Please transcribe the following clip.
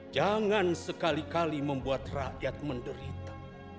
jangan sekali kali membuat rakyat menderita